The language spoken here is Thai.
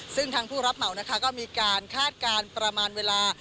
ซึ่งทางผู้รับเหมานะคะก็มีการคาดการณ์ประมาณเวลา